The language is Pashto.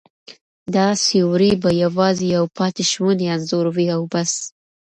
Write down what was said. دا سیوری به یوازې یو پاتې شونی انځور وي او بس.